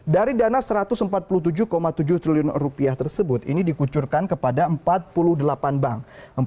dari dana rp satu ratus empat puluh tujuh tujuh triliun tersebut ini dikucurkan kepada empat puluh delapan bank